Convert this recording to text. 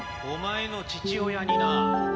お前の父親にな。